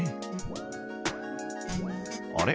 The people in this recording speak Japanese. あれ？